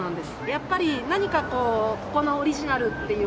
やっぱり何かこうここのオリジナルっていう事で。